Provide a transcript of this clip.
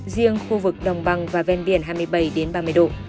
riêng khu vực đồng bằng và ven biển hai mươi bảy ba mươi độ